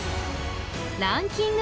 ランキング